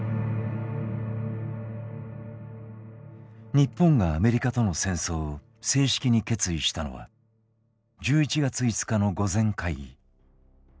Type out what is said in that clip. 日本がアメリカとの戦争を正式に決意したのは１１月５日の御前会議。